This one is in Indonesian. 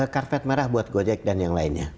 karpet merah buat gojek dan yang lainnya